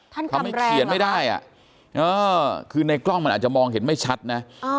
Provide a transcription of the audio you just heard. เขาทำให้เขียนไม่ได้อ่ะเออคือในกล้องมันอาจจะมองเห็นไม่ชัดนะ